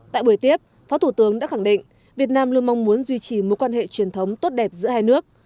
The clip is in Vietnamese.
tại buổi tiếp phó thủ tướng đã khẳng định việt nam luôn mong muốn duy trì mối quan hệ truyền thống tốt đẹp giữa hai nước